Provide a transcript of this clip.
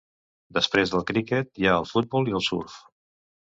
Després del criquet, hi ha el futbol i el surf.